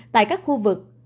tại các khu vực